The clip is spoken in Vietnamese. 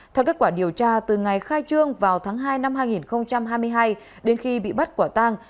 theo kết quả điều tra từ ngày khai trương vào tháng hai năm hai nghìn hai mươi hai đến khi bị bắt quả tang